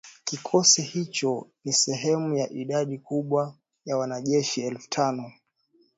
Kikosi hicho ni sehemu ya idadi kubwa ya wanajeshi elfu tano